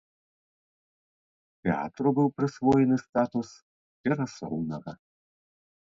Тэатру быў прысвоены статус перасоўнага.